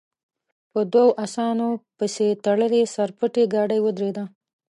پر دوو اسانو پسې تړلې سر پټې ګاډۍ ودرېده.